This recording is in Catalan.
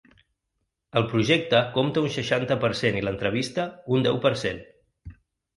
El projecte compta un seixanta per cent i l’entrevista, un deu per cent.